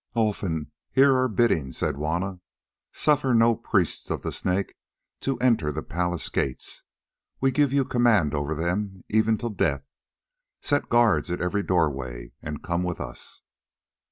"Olfan, hear our bidding," said Juanna. "Suffer no priest of the Snake to enter the palace gates. We give you command over them, even to death. Set guards at every doorway and come with us."